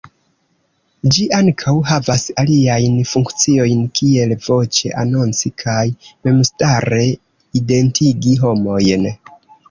Ĝi ankaŭ havas aliajn funkciojn, kiel voĉe anonci kaj memstare identigi homojn.